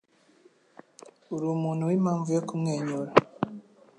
Urumuntu wimpamvu yo kumwenyura.